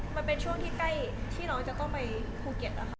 มันเป็นช่วงที่ใกล้ที่น้องจะไปภูเก็ต